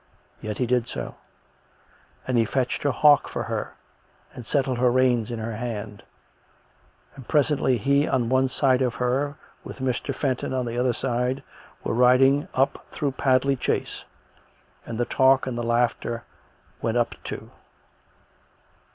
Yet he did so; and he fetched her hawk for her, and settled her reins in her hand; and presently he on one side of her, with Mr. Fenton on the other side, were riding up through Padley chase; and the talk and the laughter went up too.